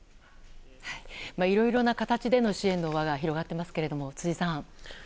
いろいろな形での支援の輪が広がっていますが辻さん。